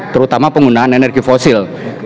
terutama penggunaan energi fosil